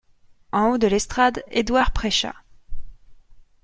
En haut de l'estrade, Édouard prêcha.